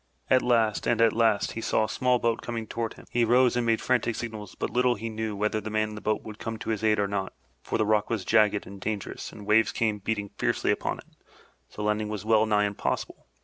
At last and at last he saw a small boat coming toward him. He rose and made frantic signals, but little he knew whether the man in the boat would come to his aid or not, for the rock was jagged and dangerous and the waves came beating fiercely upon it, so landing was well nigh impossible.